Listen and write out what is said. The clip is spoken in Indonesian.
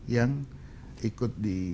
yang ikut di isis itu